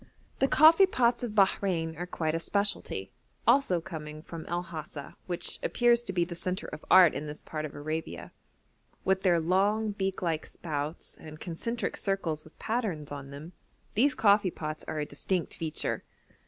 The coffee pots of Bahrein are quite a specialty, also coming from El Hasa, which appears to be the centre of art in this part of Arabia. With their long beak like spouts and concentric circles with patterns on them, these coffee pots are a distinct feature.